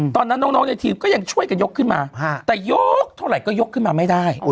ตอนนั้นน้องในทีมก็ยังช่วยกันยกขึ้นมาแต่ยกเท่าไหร่ก็ยกขึ้นมาไม่ได้